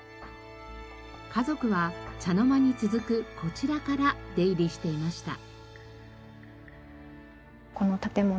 家族は茶の間に続くこちらから出入りしていました。